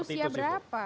dari usia berapa